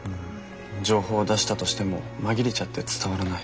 情報出したとしても紛れちゃって伝わらない。